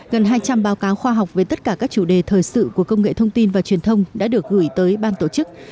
gần hai trăm linh báo cáo khoa học về tất cả các chủ đề thời sự của công nghệ thông tin và truyền thông đã được gửi tới ban tổ chức